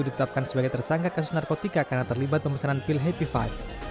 ditetapkan sebagai tersangka kasus narkotika karena terlibat pemesanan pil happy five